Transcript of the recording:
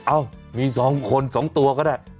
อ้าวมีสองคนสองตวก็ได้